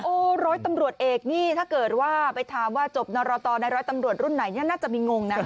ร้อยตำรวจเอกนี่ถ้าเกิดว่าไปถามว่าจบนรตในร้อยตำรวจรุ่นไหนเนี่ยน่าจะมีงงนะ